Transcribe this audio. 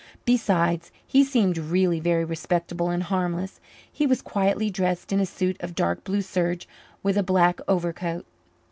Besides, he seemed really very respectable and harmless. He was quietly dressed in a suit of dark blue serge with a black overcoat.